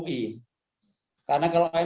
karena kalau mui itu sudah berakhir